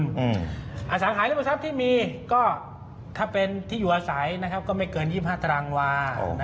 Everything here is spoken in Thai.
โดยสารขายลิขซับที่มีก็ถ้าเป็นที่อยู่อาศัยนะครับก็ไม่เกิน๒๕ตารางวาส